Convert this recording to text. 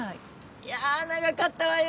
いや長かったわよ。